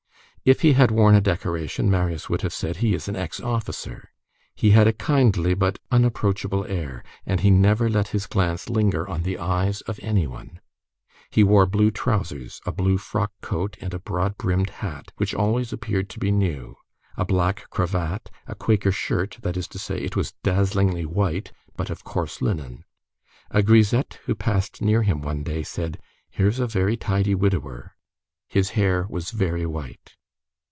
If he had worn a decoration, Marius would have said: "He is an ex officer." He had a kindly but unapproachable air, and he never let his glance linger on the eyes of any one. He wore blue trousers, a blue frock coat and a broad brimmed hat, which always appeared to be new, a black cravat, a quaker shirt, that is to say, it was dazzlingly white, but of coarse linen. A grisette who passed near him one day, said: "Here's a very tidy widower." His hair was very white.